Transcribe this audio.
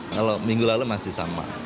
kalau minggu lalu masih sama